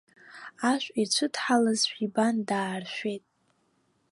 Ашә ицәыдҳалазшәа ибан дааршәеит.